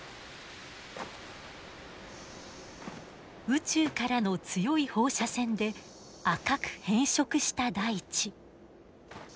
宇宙からの強い放射線で赤く変色した大地。